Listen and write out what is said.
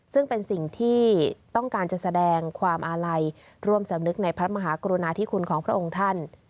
ซึ่งเป็นสิ่งที่ต้องการจะแสดงความอาลัยร่วมสำนึกในพระมหากรุณาธิคุณของพระองค์ท่าน